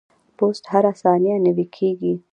پوست هره ثانیه نوي کیږي.